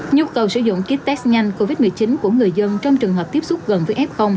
nhu cầu sử dụng kit test nhanh covid một mươi chín của người dân trong trường hợp tiếp xúc gần với f